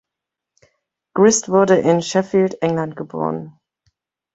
Grist wurde in Sheffield, England, geboren.